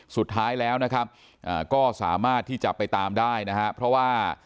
สุดท้ายแล้วนะครับก็สามารถที่จะไปตามได้นะฮะเพราะว่า